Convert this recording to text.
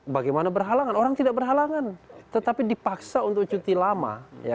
bagaimana berhalangan orang tidak berhalangan tetapi dipaksa untuk cuti lama